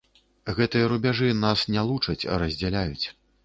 Гэтыя рубяжы нас не лучаць, а раздзяляюць.